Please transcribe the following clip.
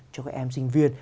cho các em sinh viên